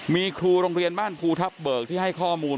มีครูโรงเรียนบ้านภูทับเบิกที่ให้ข้อมูล